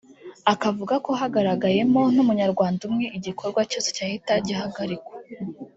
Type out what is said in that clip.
akavuga ko hagaragaye mo n’umunyarwanda umwe igikorwa cyose cyahita gihagarikwa